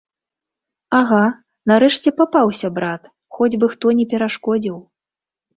Ага, нарэшце папаўся, брат, хоць бы хто не перашкодзіў.